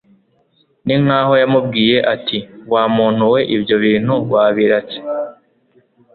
ni nk'aho yamubwiye, ati «wa muntu we ibyo bintu wabiratse